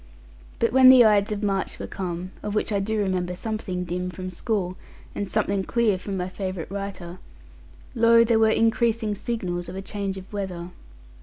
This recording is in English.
But when the Ides of March were come (of which I do remember something dim from school, and something clear from my favourite writer) lo, there were increasing signals of a change of weather.